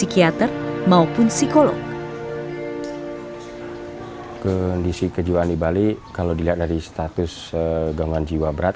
kondisi kejiwaan di bali kalau dilihat dari status gangguan jiwa berat